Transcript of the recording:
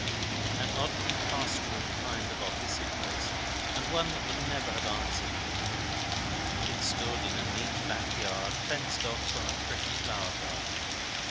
An oddly pastoral kind of office it was, and one that would never have answered in England. It stood in a neat back yard, fenced off from a pretty flower garden.